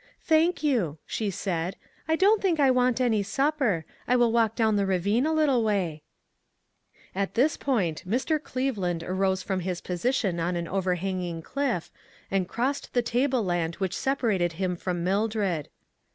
" Thank you," she said, " I don't think I want any supper. I will walk down the ravine a little way." SOCIETY CIRCLES. 89 At this point Mr. Cleveland arose from his position on an overhanging cliff and crossed the table land which separated him from Mildred.